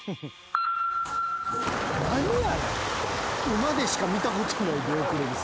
馬でしか見たことない出遅れです。